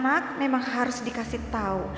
ini anak memang harus dikasih tau